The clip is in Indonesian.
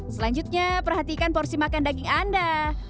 selanjutnya perhatikan porsi makan daging anda